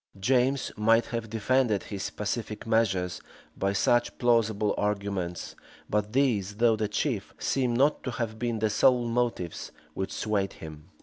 James might have defended his pacific measures by such plausible arguments; but these, though the chief, seem not to have been the sole motives which swayed him.